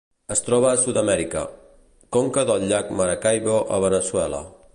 Es troba a Sud-amèrica: conca del llac Maracaibo a Veneçuela.